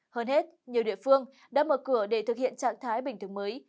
hơn hết nhiều địa phương đã mở cửa để thực hiện trạng thái bình thường mới